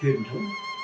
núi sông bừng lên